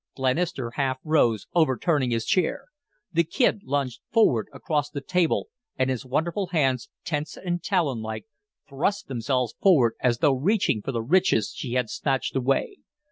Glenister half rose, overturning his chair; the Kid lunged forward across the table, and his wonderful hands, tense and talon like, thrust themselves forward as though reaching for the riches she had snatched away.